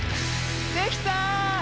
できた！